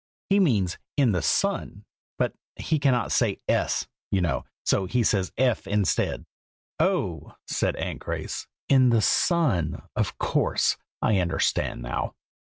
He means 'in the sun,' but he cannot say 's,' you know, so he says 'f' instead." "Oh!" said Aunt Grace. "In the sun; of course. I understand now.